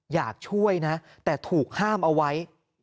อยากช่วยนะแต่ถูกห้ามเอาไว้